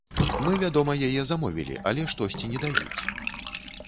Мы, вядома, яе замовілі, але штосьці не даюць.